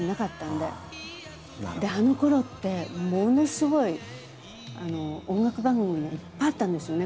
であのころってものすごい音楽番組がいっぱいあったんですよね